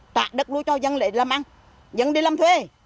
trả đất luôn cho dân lấy làm ăn dân đi làm thuê